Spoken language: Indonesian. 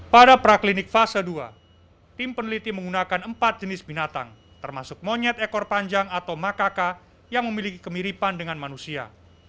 pada praklinik fase dua tim peneliti menggunakan empat jenis binatang termasuk monyet ekor panjang atau makaka yang memiliki kemiripan dengan manusia